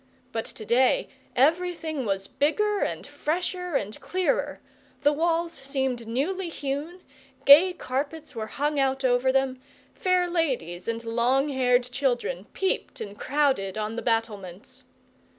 But to day everything was bigger and fresher and clearer, the walls seemed newly hewn, gay carpets were hung out over them, fair ladies and long haired children peeped and crowded on the battlements.